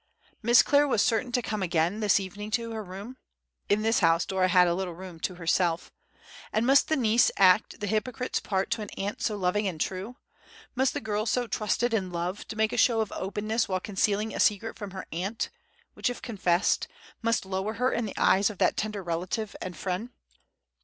Miss Clare was certain to come again this evening into her room—in this house Dora had a little room to herself—and must the niece act the hypocrite's part to an aunt so loving and true; must the girl so trusted and loved make a show of openness while concealing a secret from her aunt, which, if confessed, must lower her in the eyes of that tender relative and friend?